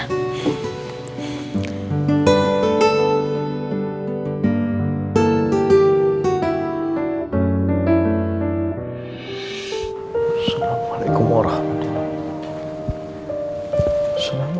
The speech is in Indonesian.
assalamualaikum warahmatullahi wabarakatuh